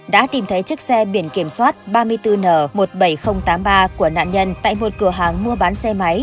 đã tìm thấy chiếc xe biển kiểm soát ba mươi bốn n một mươi bảy nghìn tám mươi ba của nạn nhân tại một cửa hàng mua bán xe máy